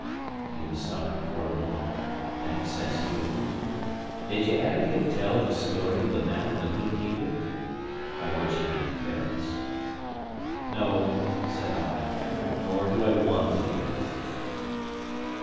He was silent for a little; then says he, "Did ever ye hear tell of the story of the Man and the Good People?" by which he meant the fairies. "No," said I, "nor do I want to hear it."